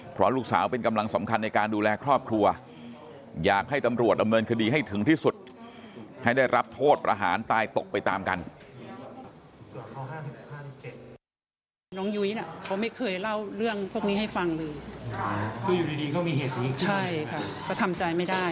การสูญเสียครั้งนี้คือการสูญเสียเสาหลักของครอบครัว